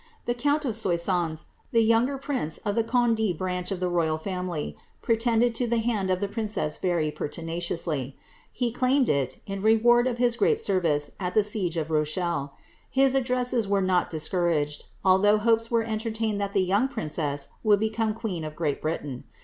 The count of Soissons, a younger prince of the Conde branch of the royal family, pretended to the hand of the princess very pertinaciously. He claimed it, in reward of his great ser vices at the siege of Rochelle. His addresses were not discouraged, although hopes were entertained that the young princess would become queen of Great Britain.